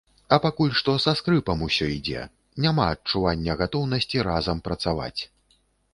А пакуль што са скрыпам усё ідзе, няма адчування гатоўнасці разам працаваць.